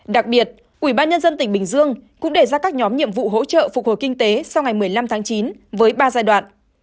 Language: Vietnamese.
đặc biệt ubnd tỉnh bình dương cũng đề ra các nhóm nhiệm vụ hỗ trợ phục hồi kinh tế sau ngày một mươi năm tháng chín với ba giai đoạn